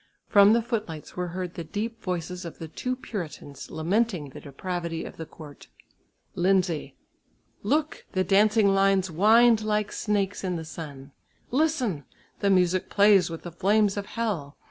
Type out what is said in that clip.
From the footlights were heard the deep voices of the two Puritans lamenting the depravity of the court. Lindsay. "Look! the dancing lines wind like snakes in the sun. Listen! the music plays with the flames of hell!